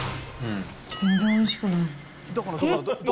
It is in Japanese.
全然おいしくない。